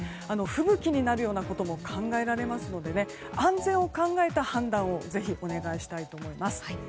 吹雪になるようなことも考えられますので安全を考えた判断をぜひお願いしたいと思います。